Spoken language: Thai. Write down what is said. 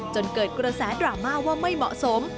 จนเกิดกระแสดราม่าว่าไม่เหมาะสม